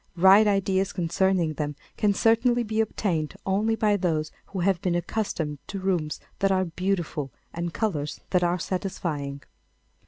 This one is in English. Right ideas concerning them can certainly be obtained only by those who have been accustomed to rooms that are beautiful and colours that are satisfying.